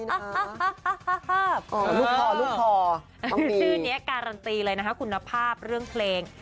ชื่อนี้การันตีเลยนะครับคุณภาพเรื่องเพลง